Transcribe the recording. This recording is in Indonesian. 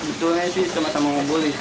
sebetulnya sih sama sama boleh